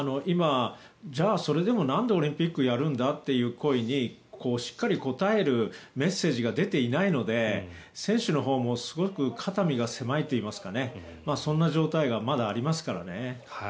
じゃあ、それでもなんでオリンピックをやるんだという声にしっかり応えるメッセージが出ていないので、選手のほうもすごく肩身が狭いといいますかそんな状態がまだありますからね。